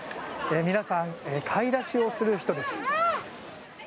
皆さん、買い出しをする人です。